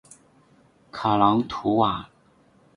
卡朗图瓦。